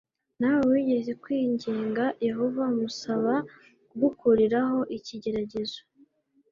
nawe wigeze kwinginga yehova umusaba kugukuriraho ikigeragezo